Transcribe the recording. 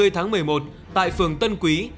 hai mươi tháng một mươi một tại phường tân quý